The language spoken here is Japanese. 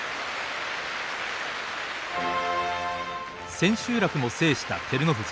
千秋楽も制した照ノ富士。